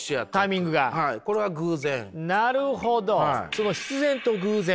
その必然と偶然。